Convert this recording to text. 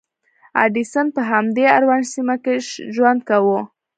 ایډېسن په همدې اورنج سیمه کې ژوند کاوه.